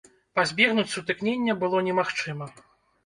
Пазбегнуць сутыкнення было немагчыма.